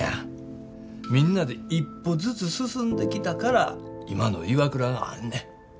みんなで一歩ずつ進んできたから今のＩＷＡＫＵＲＡがあんねん。